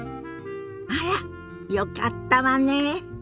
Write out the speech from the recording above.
あらっよかったわねえ。